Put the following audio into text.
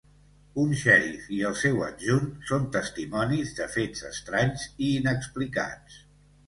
Un xèrif i el seu adjunt són testimonis de fets estranys i inexplicats.